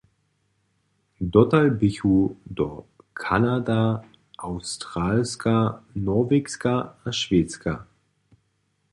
Dotal běchu to Kanada, Awstralska, Norwegska a Šwedska.